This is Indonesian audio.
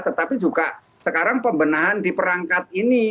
tetapi juga sekarang pembenahan di perangkat ini